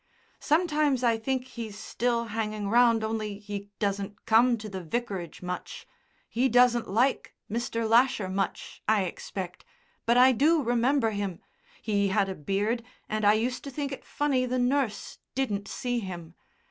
Sometimes I think he's still hanging round only he doesn't come to the vicarage much. He doesn't like Mr. Lasher much, I expect. But I do remember him. He had a beard and I used to think it funny the nurse didn't see him.